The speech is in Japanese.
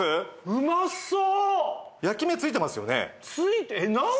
うまそう！